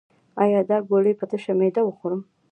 ایا دا ګولۍ په تشه معده وخورم؟